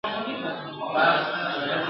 پر بهار یې را بللي تور پوځونه د زاغانو ..